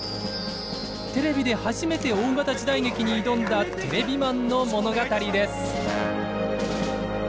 テレビで初めて大型時代劇に挑んだテレビマンの物語です。